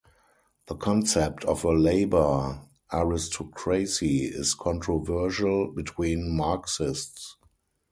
The concept of a labor aristocracy is controversial between Marxists.